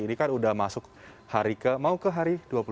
ini kan udah masuk hari ke mau ke hari dua puluh satu